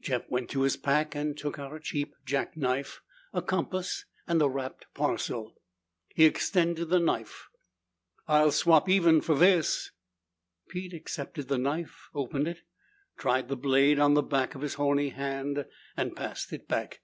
Jeff went to his pack, took out a cheap jackknife, a compass and a wrapped parcel. He extended the knife. "I'll swap even for this." Pete accepted the knife, opened it, tried the blade on the back of his horny hand, and passed it back.